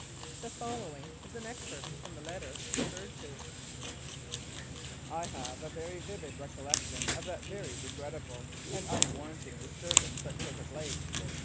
The following is an excerpt from the letter referred to: " I have a very vivid recollection of that very regret table and unwarranted disturbance at Crooked Lakes in 1884.